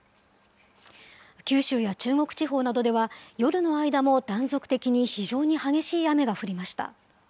九州や中国地方などでは、夜の間も断続的に非常に激しい雨が降りました。